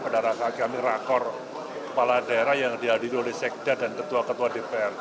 pada saat kami rakor kepala daerah yang dihadiri oleh sekda dan ketua ketua dpr